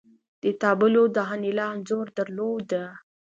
دې تابلو د انیلا انځور درلود